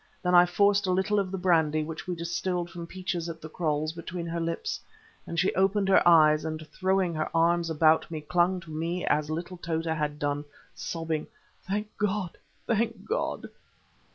Then I forced a little of the brandy which we distilled from peaches at the kraals between her lips, and she opened her eyes, and throwing her arms about me clung to me as little Tota had done, sobbing, "Thank God! thank God!"